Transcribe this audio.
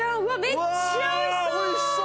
めっちゃ美味しそう！